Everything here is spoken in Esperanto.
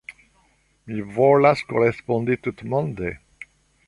Mi volas korespondi tutmonde.